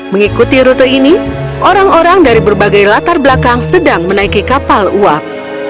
mengikuti rute ini orang orang dari berbagai latar belakang sedang menaiki kapal uap